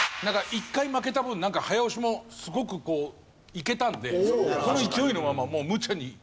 一回負けた分早押しもすごくこういけたんでこの勢いのままもうむちゃに。